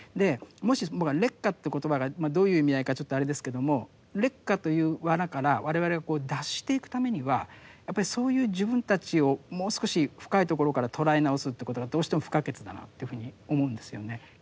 もし僕は劣化という言葉がどういう意味合いかちょっとあれですけども劣化という罠から我々がこう脱していくためにはやっぱりそういう自分たちをもう少し深いところから捉え直すということがどうしても不可欠だなというふうに思うんですよね。